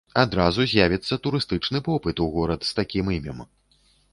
Адразу з'явіцца турыстычны попыт у горад з такім імем.